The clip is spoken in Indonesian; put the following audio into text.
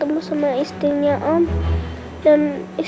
baru sekali u athletics